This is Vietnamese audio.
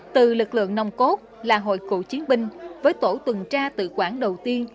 từ lực lượng nông cốt là hội cụ chiến binh với tổ tuần tra tự quản đầu tiên